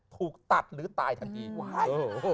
ถูกตัดหรือตายทันที